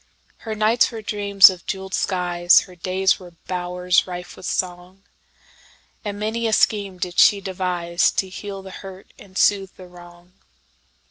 Her nights were dreams of jeweled skies, Her days were bowers rife with song, And many a scheme did she deviseTo heal the hurt and soothe the wrong.